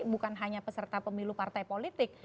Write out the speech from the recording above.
bukan hanya peserta pemilu partai politik